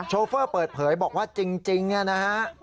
โชเฟอร์เปิดเผยบอกว่าจริงนะฮะ